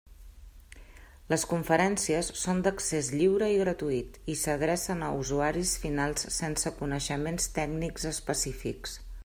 Les conferències són d'accés lliure i gratuït, i s'adrecen a usuaris finals sense coneixements tècnics específics.